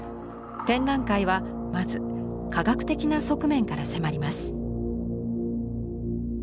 展覧会はまず科学的な側面から迫ります。